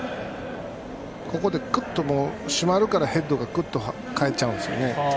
ここで締まるからヘッドがクッと返っちゃうんです。